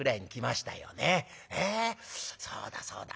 そうだそうだ。